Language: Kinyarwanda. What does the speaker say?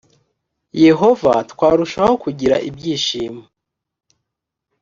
yehova twarushaho kugira ibyishimo